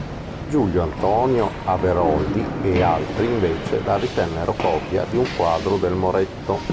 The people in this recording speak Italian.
Giulio Antonio Averoldi e altri, invece, la ritennero copia di un quadro del Moretto.